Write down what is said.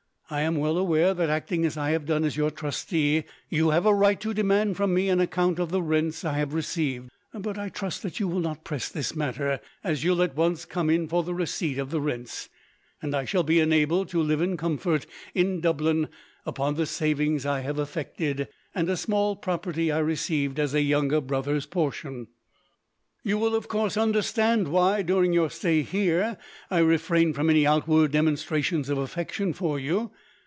I am well aware that, acting as I have done as your trustee, you have a right to demand from me an account of the rents I have received; but I trust that you will not press this matter, as you'll at once come in for the receipt of the rents; and I shall be enabled to live in comfort, in Dublin, upon the savings I have effected, and a small property I received as a younger brother's portion. You will, of course, understand why, during your stay here, I refrained from any outward demonstrations of affection for you.